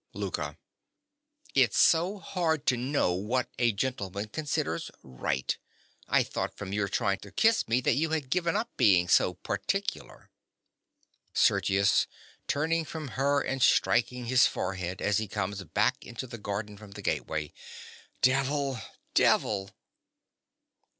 LOUKA. It's so hard to know what a gentleman considers right. I thought from your trying to kiss me that you had given up being so particular. SERGIUS. (turning from her and striking his forehead as he comes back into the garden from the gateway). Devil! devil!